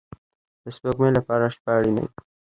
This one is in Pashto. د سپوږمۍ لپاره شپه اړین ده